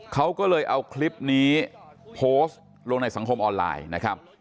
เขาก็เลยเอาคลิปนี้โพสต์ลงในสังคมออนไลน์นะครับ